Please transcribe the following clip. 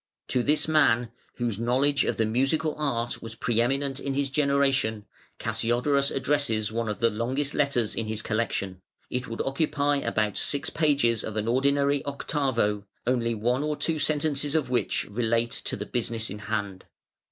To this man, whose knowledge of the musical art was pre eminent in his generation, Cassiodorus addresses one of the longest letters in his collection (it would occupy about six pages of an ordinary octavo), only one or two sentences of which relate to the business in hand.